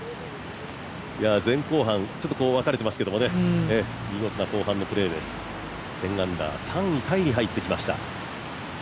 前後半、分かれてますけど見事な後半のプレーです、１０アンダー３位タイに入ってきました。